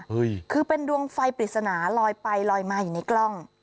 คือเป็นดวงไฟปริศนาลอยไปลอยมาอยู่ในกล้อง